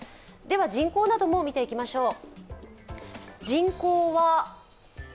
人口なども見ていきましょう。